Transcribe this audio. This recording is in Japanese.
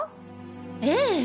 ええ。